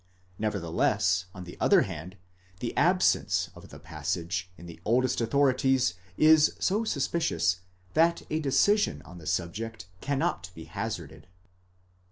Nevertheless, on the other hand, the absence of the passage in: the oldest authorities is so suspicious, that a decision on the subject cannot be hazarded.